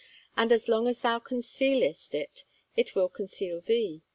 And as long as thou concealest it, it will conceal thee.'